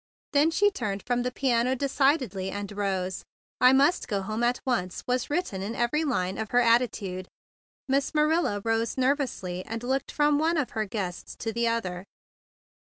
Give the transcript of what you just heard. Then she turned from the piano decidedly, and rose. "I must go home at once," was written in every line of her attitude. Miss Ma¬ rilla rose nervously, and looked from one of her guests to the other.